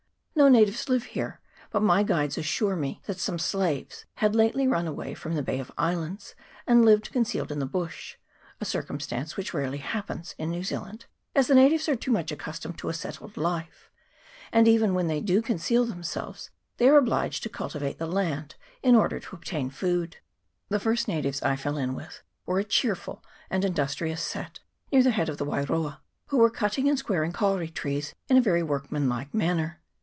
No natives live here ; but my guides assured me that some slaves had lately run away from the Bay of Islands, and lived concealed in the bush a circumstance which rarely happens in New Zealand, as the natives are too much accustomed to a settled life ; and even when they do conceal themselves, they are obliged to cul tivate the land in order to obtain food The first natives I fell in with were a cheerful and industrious set, near the head of the Wairoa, who were cutting and squaring kauri trees in a very workmanlike manner.